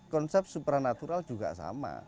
konsep supranatural juga sama